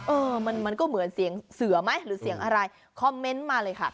เออมันมันก็เหมือนเสียงเสือไหมหรือเสียงอะไรคอมเมนต์มาเลยค่ะ